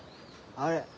あれ？